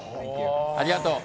ありがとう。